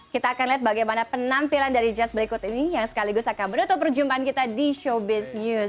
kita akan lihat bagaimana penampilan dari jazz berikut ini yang sekaligus akan menutup perjumpaan kita di showbiz news